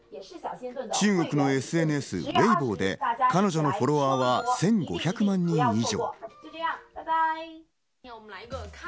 中国のＳＮＳ、Ｗｅｉｂｏで彼女のフォロワーは１５００万人以上。